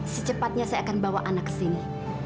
secepatnya saya akan bawa anak ke sini